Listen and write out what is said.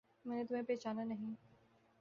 میں نے تمہیں پہچانا نہیں